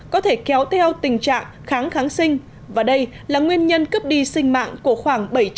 có thể kéo theo tình trạng kháng kháng sinh và đây là nguyên nhân cướp đi sinh mạng của khoảng bảy trăm linh